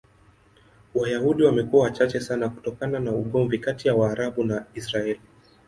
Wayahudi wamekuwa wachache sana kutokana na ugomvi kati ya Waarabu na Israel.